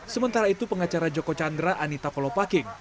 sementara itu pengacara joko chandra anita kolopaking